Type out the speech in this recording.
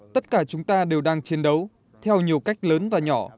tất cả chúng ta đều đang chiến đấu theo nhiều cách lớn và nhỏ